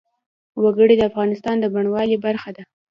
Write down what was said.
وګړي د افغانستان د بڼوالۍ برخه ده.